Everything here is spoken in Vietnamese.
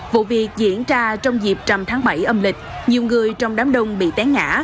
vụ việc diễn ra trong dịp trăm tháng bảy âm lịch nhiều người trong đám đông bị tén ngã